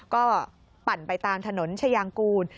ก็ปั่นไปตามถนนชายางกูล